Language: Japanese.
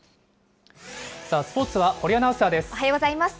さあ、スポーツは堀アナウンサーです。